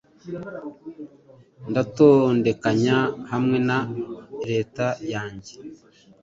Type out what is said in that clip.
Ndatondekanya hamwe na leta yanjye